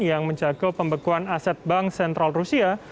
yang menjaga pembekuan aset bank sentral rusia